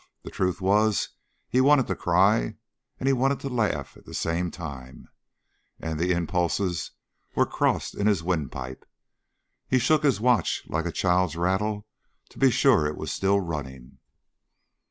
The truth was, he wanted to cry and he wanted to laugh at the same time, and the impulses were crossed in his windpipe. He shook his watch like a child's rattle, to be sure it was still running.